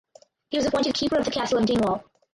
He was appointed keeper of the castle of Dingwall.